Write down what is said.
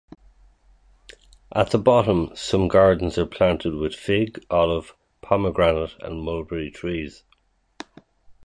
At the bottom, some gardens are planted with fig, olive, pomegranate and mulberry trees.